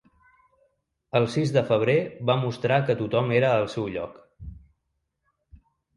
El sis de febrer va mostrar que tothom era al seu lloc.